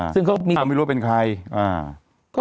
คุณธรรมนัสไม่รู้ว่าเป็นใคร